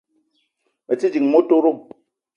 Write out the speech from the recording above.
Me te ding motoro